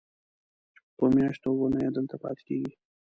په میاشتو او اوونیو دلته پاتې کېږي.